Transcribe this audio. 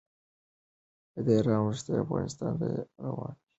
له ایران وروسته افغانستان ته روان شو، خو خاورې ته یې داخل نه شو.